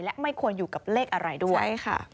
และไม่ควรอยู่กับเลขอะไรด้วย